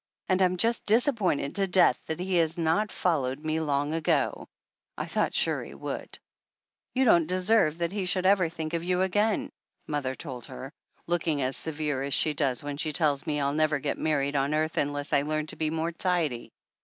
And I'm just disappointed to death that he has not followed me long ago. I thought sure he would !" "You don't deserve that he should ever think of you again," mother told her, looking as severe as she does when she tells me I'll never get married on earth unless I learn to be more tidy.